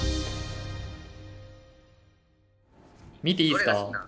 見ていいっすか？